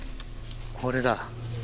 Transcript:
これだ。